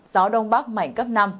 gió đông bắc mạnh cấp năm